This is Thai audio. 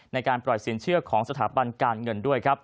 ในการปล่อยสินเชื่อของสถาบันการเงินด้วยครับ